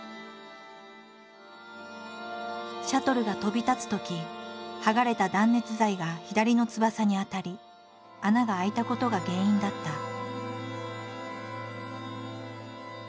シャトルが飛び立つとき剥がれた断熱材が左の翼に当たり穴が開いたことが原因だった。